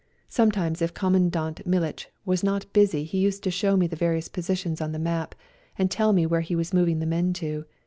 Sometimes if Comman dant Militch was not busy he used to show me the various positions on the map, and tell me where he was moving the men to.